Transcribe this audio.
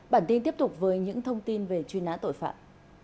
bản tin tiếp tục với những thông tin về chuyên án tội phạm